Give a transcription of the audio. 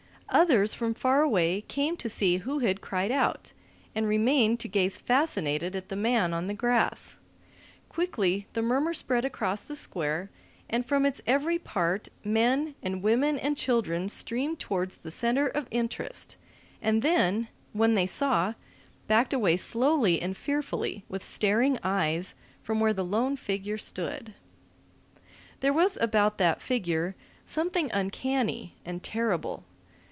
Others from farther away came to see who had cried out, and remained to gaze fascinated at the man on the grass. Quickly the murmur spread across the Square, and from its every part men and women and children streamed towards the center of interest and then, when they saw, backed away slowly and fearfully, with staring eyes, from where the lone figure stood. There was about that figure something uncanny and terrible.